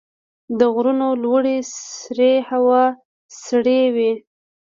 د غرونو لوړې سرې هوا سړې وي.